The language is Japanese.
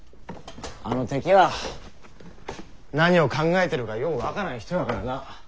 あのテキは何を考えてるかよう分からん人やからな。